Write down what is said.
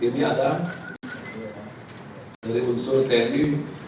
ini ada dari unsur tni